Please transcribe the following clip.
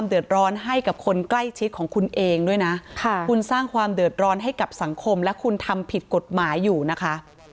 เดือดร้อนให้กับสังคมและคุณทำผิดกฎหมายอยู่นะคะ